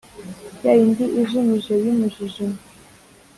ya yindi ijimije y’umujijima